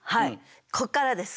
こっからです